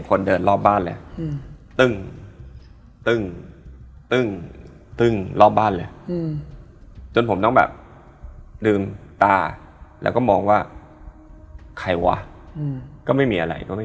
ก็ไม่ต่างกันมากนะ